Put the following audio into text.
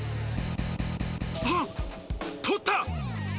あっ、とった！